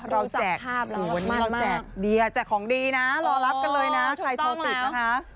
เราแจกหัวเนี่ยเราแจกเดียแจกของดีนะรอรับกันเลยนะใครทอติดนะคะ